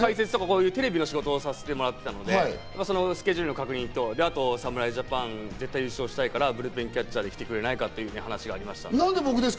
テレビのお仕事をさせていただいていて、スケジュールの確認と侍ジャパン、絶対優勝したいから、ブルペンキャッチャーで来てくれないか？って言われたんです。